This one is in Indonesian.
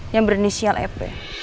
yang berinisial ep